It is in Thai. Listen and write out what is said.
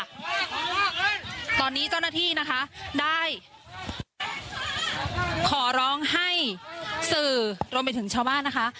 ตอนนี้เจ้าหน้าที่นะคะได้ขอร้องให้สื่อรวมไปถึงชาวบ้านนะคะ